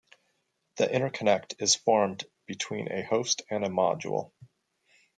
The interconnect is formed between a host and a module.